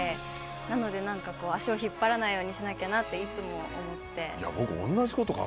なので、足を引っ張らないようにしなきゃなって、いつも思ってて。